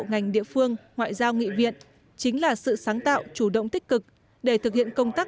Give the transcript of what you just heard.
ngành địa phương ngoại giao nghị viện chính là sự sáng tạo chủ động tích cực để thực hiện công tác